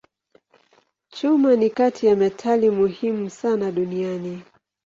Chuma ni kati ya metali muhimu sana duniani.